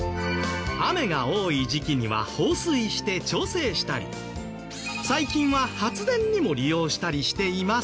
雨が多い時期には放水して調整したり最近は発電にも利用したりしていますが。